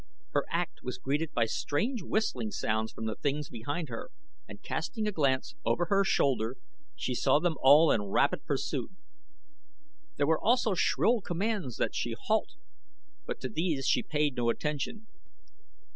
Her act was greeted by strange whistling sounds from the things behind her, and casting a glance over her shoulder she saw them all in rapid pursuit. There were also shrill commands that she halt, but to these she paid no attention.